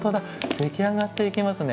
出来上がっていきますね。